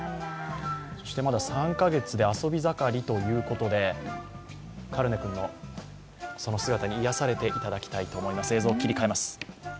そしてまだ３カ月で遊び盛りということでカルネ君の姿に癒やされていただきたいと思います。